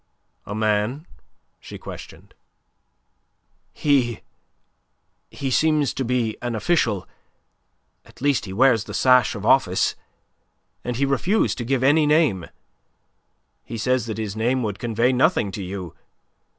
"A man?" she questioned. "He... he seems to be an official; at least he wears the sash of office. And he refuses to give any name; he says that his name would convey nothing to you.